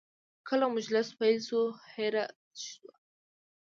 کله مجلس پیل شو، هیره شوه.